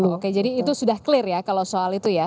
oke jadi itu sudah clear ya kalau soal itu ya